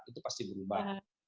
itu pasti berubah